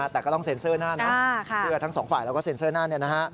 แต่ก็ต้องเซ็นเซอร์หน้าทั้งสองฝ่ายเราก็เซ็นเซอร์หน้า